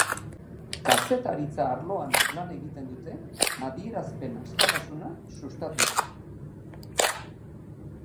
Kazetaritza arloan lan egiten dute, adierazpen askatasuna sustatuz.